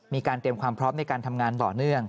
มีการเตรียมความพร้อมในการทำงานต่อเนื่อง